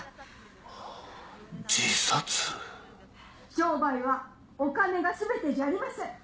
商売はお金がすべてじゃありません。